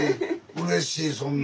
うれしいそんな。